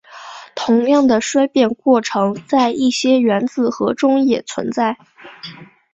同样的衰变过程在一些原子核中也存在。